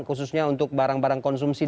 khususnya untuk barang barang konsumsi